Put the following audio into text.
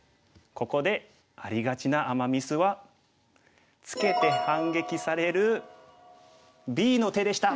ここでありがちなアマ・ミスはツケて反撃されるＢの手でした。